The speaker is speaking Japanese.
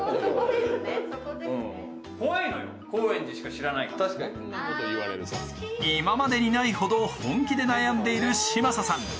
さらに今までにないほど本気で悩んでいる嶋佐さん。